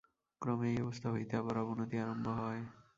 ক্রমে এই অবস্থা হইতে আবার অবনতি আরম্ভ হয়।